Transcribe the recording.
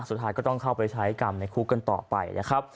สุดท้ายก็ต้องเข้าไปใช้กรรมในคุกกันต่อไปนะครับ